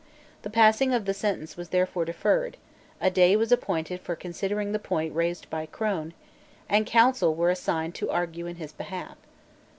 The passing of the sentence was therefore deferred: a day was appointed for considering the point raised by Crone; and counsel were assigned to argue in his behalf.